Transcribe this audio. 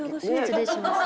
失礼します。